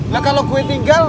ya kalau gue tinggal